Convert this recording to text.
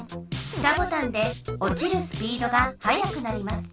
下ボタンでおちるスピードがはやくなります。